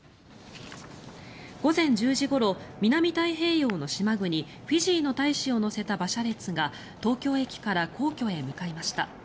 午前１０時ごろ南太平洋の島国、フィジーの大使を乗せた馬車列が東京駅から皇居へ向かいました。